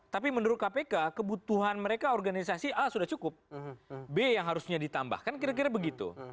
tapi menurut kpk kebutuhan mereka organisasi a sudah cukup b yang harusnya ditambahkan kira kira begitu